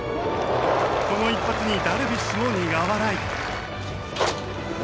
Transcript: この一発にダルビッシュも苦笑い。